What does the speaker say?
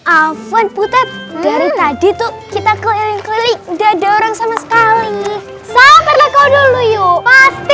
avan putar dari tadi tuh kita keliling keliling udah ada orang sama sekali